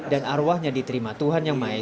dan arwahnya diterima tuhan yang melayani